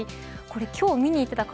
今日見に行っていた方